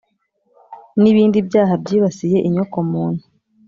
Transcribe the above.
n ibindi byaha byibasiye inyokomuntu